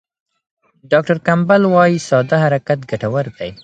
ډاکټر کمپبل وايي ساده حرکت ګټور دی.